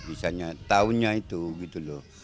bisa tahu itu gitu loh